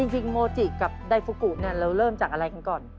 จริงโมจิกับไดฟุกุเนี่ยเราเริ่มจากอะไรกันก่อน